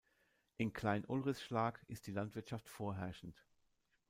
In Klein-Ulrichschlag ist die Landwirtschaft vorherrschend.